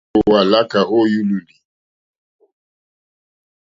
Ínɔ̀ní íkòòwà lǎkà ó yúlòlì.